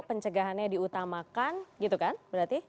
pencegahannya diutamakan gitu kan berarti